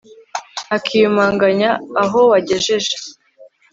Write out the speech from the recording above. akiyumanganya aho wagejeje